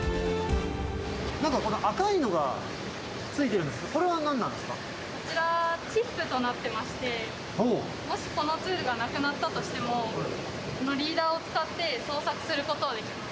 なんかこの赤いのがついてるんですが、こちら、チップとなってまして、もしこのツールがなくなったとしても、このリーダーを使って捜索することができます。